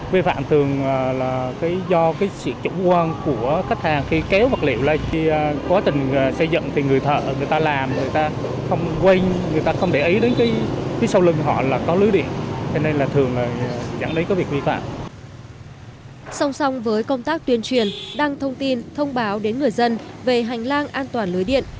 xong xong với công tác tuyên truyền đăng thông tin thông báo đến người dân về hành lang an toàn lưới điện